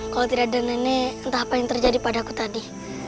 kalau tidak dengan ini entah apa yang terjadi padaku tadi